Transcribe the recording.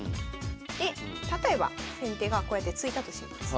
で例えば先手がこうやって突いたとします。